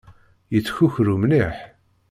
Yettkukru mliḥ.